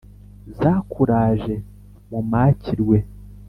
Zakuraje mu makirwe,